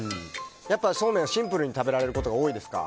やっぱりそうめんはシンプルに食べられることが多いですか？